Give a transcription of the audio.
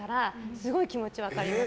すごい気持ちは分かります。